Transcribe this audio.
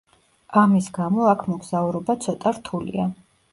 ამის გამო აქ მოგზაურობა ცოტა რთულია.